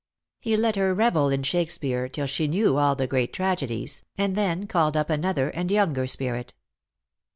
He let her revel in Shakespeare till she knew all the great tragedies, and then called up another and younger spirit.